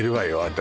私